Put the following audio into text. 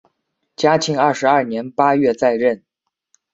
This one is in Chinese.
嘉庆二十二年八月再任。